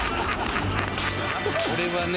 これはね